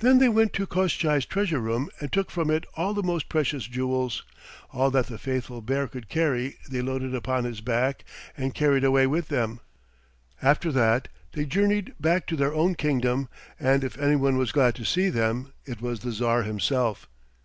Then they went to Koshchei's treasure room and took from it all the most precious jewels, all that the faithful bear could carry they loaded upon his back and carried away with them. After that they journeyed back to their own kingdom, and if any one was glad to see them it was the Tsar himself.